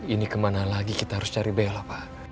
ini kemana lagi kita harus cari bela pak